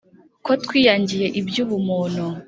ko twiyangiye iby’ubumuntu